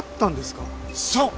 そう！